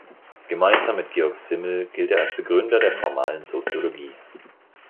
Gemeinsam mit Georg Simmel gilt er als Begründer der formalen Soziologie.